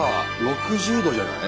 ６０℃じゃない？